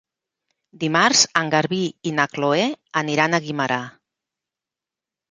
Dimarts en Garbí i na Chloé aniran a Guimerà.